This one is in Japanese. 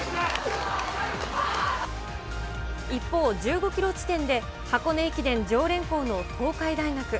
一方、１５キロ地点で箱根駅伝常連校の東海大学。